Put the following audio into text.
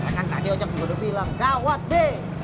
kan tadi ocak juga udah bilang gawat neng